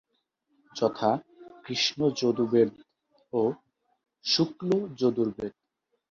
যথা: কৃষ্ণ যজুর্বেদ ও শুক্ল যজুর্বেদ।